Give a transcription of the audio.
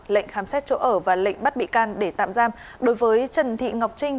lệnh khám xét chỗ ở và lệnh bắt bị can để tạm giam đối với trần thị ngọc trinh